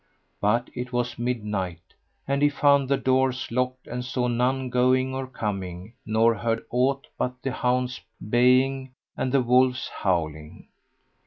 But it was midnight and he found the doors locked and saw none going or coming nor heard aught but the hounds baying and the wolves howling.